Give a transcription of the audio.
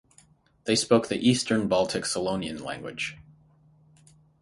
They spoke the Eastern Baltic Selonian language.